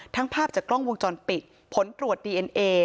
ภาพจากกล้องวงจรปิดผลตรวจดีเอ็นเอ